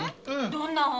どんな本？